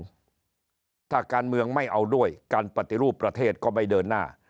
ถ้าการเมืองไม่เอาด้วยการปฏิรูปประเทศก็ไม่เดินหน้า